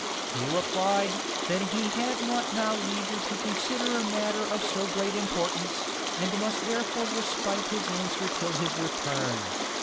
He replied, that he had not now leisure to consider a matter of so great importance, and must therefore respite his answer till his return.